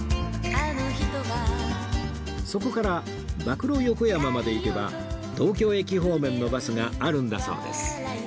そこから馬喰横山まで行けば東京駅方面のバスがあるんだそうです